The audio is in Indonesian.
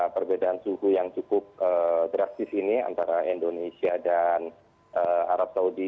perbedaan suhu yang cukup drastis ini antara indonesia dan arab saudi